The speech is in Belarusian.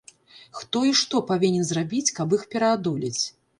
Хто і што павінен зрабіць, каб іх пераадолець?